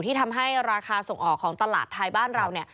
ที่ทำให้ราคาส่งออกของตลาดไทยบ้านเราเนี่ย